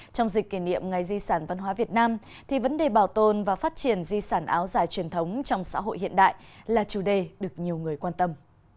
trong dịp kỷ niệm ngày di sản văn hóa việt nam thì vấn đề bảo tồn và phát triển di sản áo dài truyền thống trong xã hội hiện đại là chủ đề được nhiều người quan tâm